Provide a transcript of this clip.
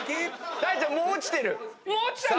大ちゃんもう落ちてる！